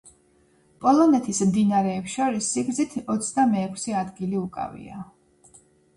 პოლონეთის მდინარეებს შორის სიგრძით ოცდამეექვსე ადგილი უკავია.